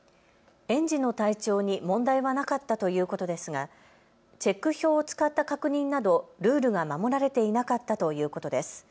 園児の体調に問題はなかったということですがチェック表を使った確認などルールが守られていなかったということです。